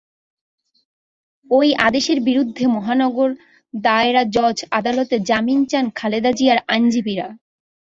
ওই আদেশের বিরুদ্ধে মহানগর দায়রা জজ আদালতে জামিন চান খালেদা জিয়ার আইনজীবীরা।